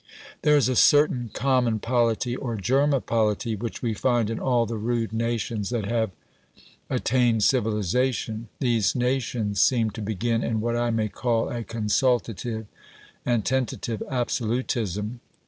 There is a certain common polity, or germ of polity, which we find in all the rude nations that have attained civilisation. These nations seem to begin in what I may call a consultative and tentative absolutism.